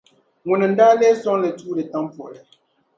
ŋuni n-daa lee sɔŋ di tuuli tampuɣili?